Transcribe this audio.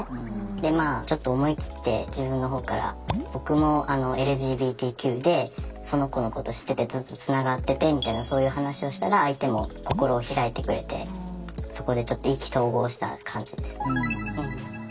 でまあちょっと思い切って自分の方から僕もＬＧＢＴＱでその子のこと知っててずっとつながっててみたいなそういう話をしたら相手も心を開いてくれてそこでちょっと意気投合した感じですね。